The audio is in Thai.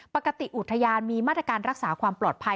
ปกติอุทยานมีมาตรการรักษาความปลอดภัย